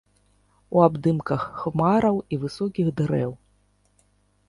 У абдымках хмараў і высокіх дрэў.